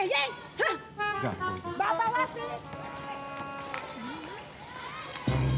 hah bapak wasit